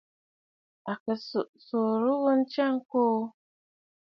À kɨ tsurə ghu ntsya ŋkuu.